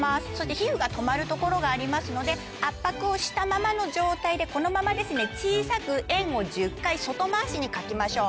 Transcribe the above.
皮膚が止まるところがありますので圧迫をしたままの状態でこのまま小さく円を１０回外回しに描きましょう。